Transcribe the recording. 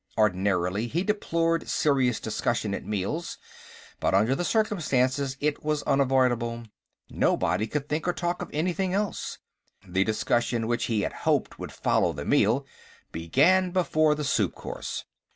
Ordinarily, he deplored serious discussion at meals, but under the circumstances it was unavoidable; nobody could think or talk of anything else. The discussion which he had hoped would follow the meal began before the soup course.